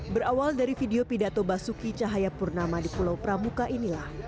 berawal dari video pidato basuki cahayapurnama di pulau pramuka inilah